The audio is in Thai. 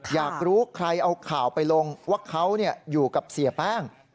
อยากรู้ใครเอาข่าวไปลงว่าเขาอยู่กับเสียแป้ง